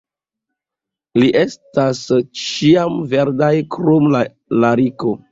Ili estas ĉiamverdaj krom la lariko.